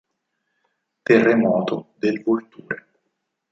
Terremoto del Vulture